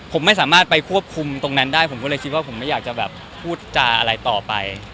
ผมไม่สามารถไปควบคุมตรงนั้นได้ผมก็เลยคิดว่าผมไม่อยากจะแบบพูดจาอะไรต่อไป